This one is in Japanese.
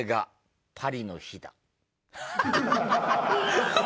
ハハハハ！